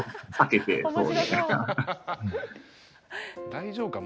大丈夫か？